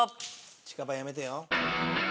近場やめてよ。